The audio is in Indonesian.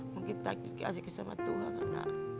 mungkin tak kasih kesempatan tuhan anak